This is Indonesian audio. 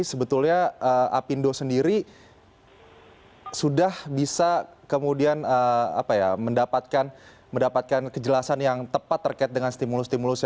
sebetulnya apindo sendiri sudah bisa kemudian mendapatkan kejelasan yang tepat terkait dengan stimulus stimulus